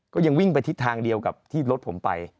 ก็ยังวิ่งไปทิศทางเดียวกับที่รถผมไป